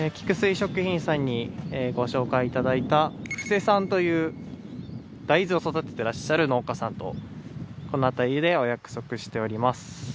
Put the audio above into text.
食品さんにご紹介いただいた布施さんという大豆を育ててらっしゃる農家さんとこの辺りでお約束しております。